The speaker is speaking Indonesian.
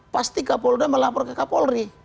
pasti kapolda melapor ke kapolri